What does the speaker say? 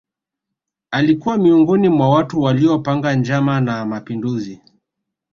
Alikuwa miongoni mwa watu waliopanga njama za mapinduzi